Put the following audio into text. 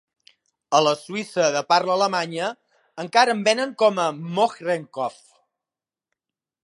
A la Suïssa de parla alemanya encara en venen com a "Mohrenkopf".